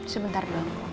sebentar doang ya